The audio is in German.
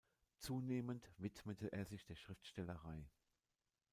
Zunehmend widmete er sich der Schriftstellerei.